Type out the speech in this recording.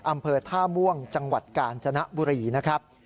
อำเภอท่าม่วงจังหวัดกาญจนบุรีนะครับ